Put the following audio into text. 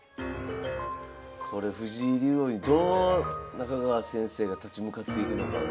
これ藤井竜王にどう中川先生が立ち向かっていくのかが。